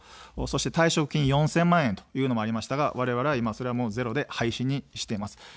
そして退職金４０００万円というのがありましたがわれわれはいま、ゼロで廃止にしています。